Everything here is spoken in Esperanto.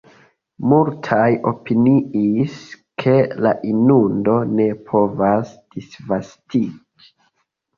Multaj opiniis, ke la inundo ne povas disvastiĝi.